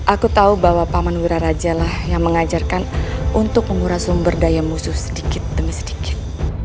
aku tahu bahwa paman wiraraja lah yang mengajarkan untuk menguras sumber daya musuh sedikit demi sedikit